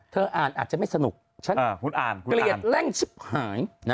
อ่านอาจจะไม่สนุกฉันเกลียดเร่งชิบหาย